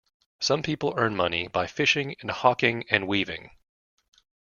Some people earn money by fishing and hawking and weaving.